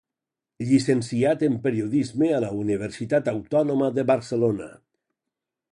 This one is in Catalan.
Llicenciat en Periodisme a la Universitat Autònoma de Barcelona.